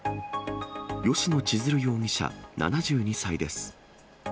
吉野千鶴容疑者７２歳です。